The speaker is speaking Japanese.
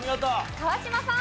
川島さん。